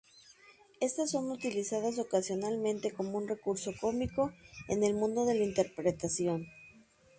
Estas son utilizadas ocasionalmente como un recurso cómico en el mundo de la interpretación.